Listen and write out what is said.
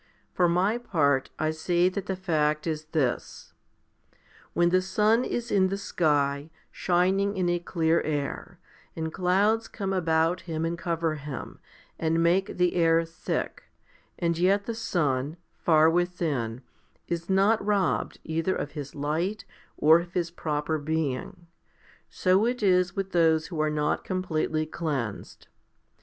For my part, I say that the fact is this ; when the sun is in the sky, shining in a clear air, and clouds come about him and cover him, and make the air thick, and yet the sun, far within, is not robbed either of his light or of his proper being, so is it with those who are not completely cleansed.